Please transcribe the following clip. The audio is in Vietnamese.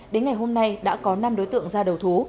đến ngày hôm nay đã có năm đối tượng ra đầu thú